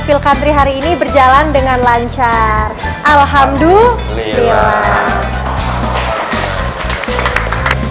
filkadri hari ini berjalan dengan lancar alhamdulillah